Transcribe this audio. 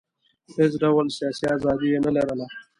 هېڅ ډول سیاسي ازادي یې نه لرله.